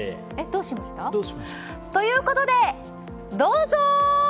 どうしました？ということでどうぞ！